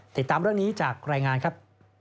ติดตามเรื่องนี้จากรายงานครับ